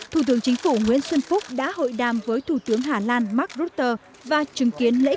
thủ tướng chính phủ nguyễn xuân phúc đã hội đàm với thủ tướng hà lan mark rutte và chứng kiến lễ